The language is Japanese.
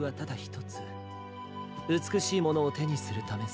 うつくしいものをてにするためさ。